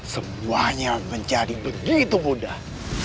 semuanya menjadi begitu mudah